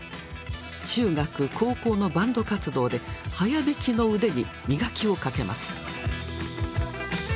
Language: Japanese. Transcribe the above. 中学・高校のバンド活動で速弾きの腕に磨きをかけます。